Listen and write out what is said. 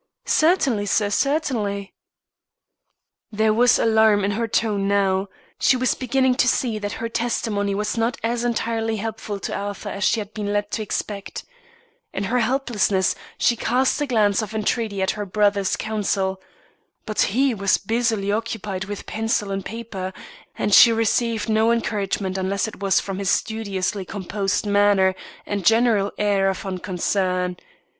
"Certainly, sir, certainly." There was alarm in her tone now, she was beginning to see that her testimony was not as entirely helpful to Arthur as she had been led to expect. In her helplessness, she cast a glance of entreaty at her brother's counsel. But he was busily occupied with pencil and paper, and she received no encouragement unless it was from his studiously composed manner and general air of unconcern.